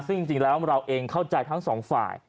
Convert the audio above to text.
ซึ่งจริงแล้วเราเองเข้าใจทั้งสองฝ่าย